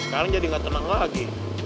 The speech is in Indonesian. kalian jadi gak tenang lagi